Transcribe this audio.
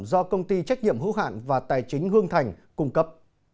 do công ty trách nhiệm hữu hạn và tài chính hương thành cung cấp